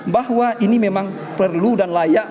bahwa ini memang perlu dan layak